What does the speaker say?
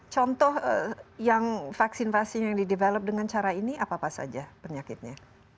contoh yang vaksin vaksin yang di develop dengan cara ini apa apa saja penyakitnya